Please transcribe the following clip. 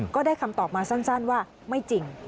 ก็ได้คำตอบมาสั้นว่าไม่จริง